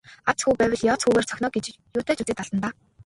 Аз хүү байвал ёоз хүүгээр цохино оо гэж юутай ч үзээд алдана даа.